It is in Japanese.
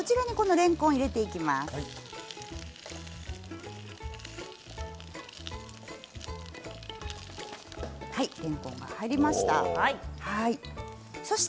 れんこんが入りました。